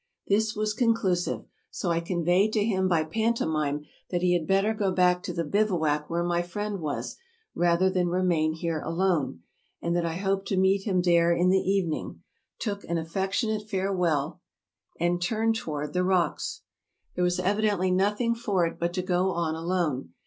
This was conclusive; so I conveyed to him by pantomime that he had better go back to the bivouac where my friend was, rather than re main here alone, and that I hoped to meet him there in the evening; took an affectionate farewell, and turned toward 280 TRAVELERS AND EXPLORERS the rocks. There was evidently nothing for it but to go on alone.